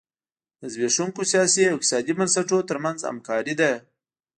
د زبېښونکو سیاسي او اقتصادي بنسټونو ترمنځ همکاري ده.